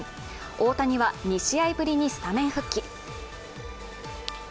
大谷は２試合ぶりにスタメン復帰。